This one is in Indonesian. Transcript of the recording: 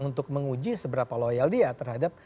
untuk menguji seberapa loyal dia terhadap